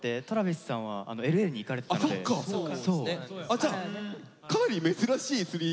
じゃあかなり珍しいスリー。